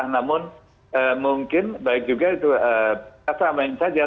namun mungkin baik juga itu sama sama saja